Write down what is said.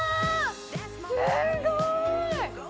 すごーい！